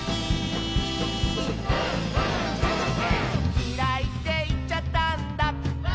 「きらいっていっちゃったんだ」